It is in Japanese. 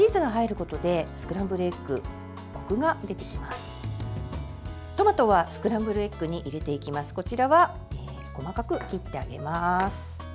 こちらは細かく切ってあげます。